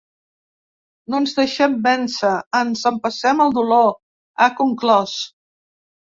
No ens deixem vèncer, ens empassem el dolor, ha conclòs.